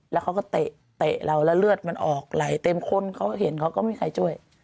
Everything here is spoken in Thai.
แล้วเขาก็เตะเราแล้วเลือดมันออกไหลเต็มคนเขาเห็นเขาก็มีใครช่วย